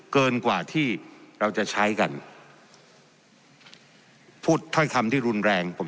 เกินกว่าที่เราจะใช้กันพูดถ้อยคำที่รุนแรงผม